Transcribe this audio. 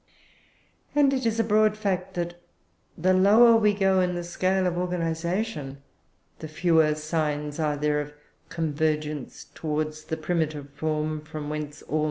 And it is a broad fact that, the lower we go in the scale of organization, the fewer signs are there of convergence towards the primitive form from whence all must have diverged, if evolution be a fact.